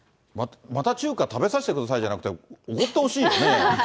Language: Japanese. また中華、食べさせてくださいじゃなくて、おごってほしいよね。